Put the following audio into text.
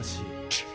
くっ！